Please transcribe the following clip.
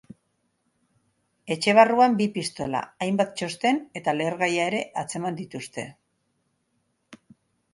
Etxe barruan bi pistola, hainbat txosten eta lehergaia ere atzeman dituzte.